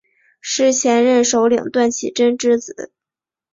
是前任首领段乞珍之子。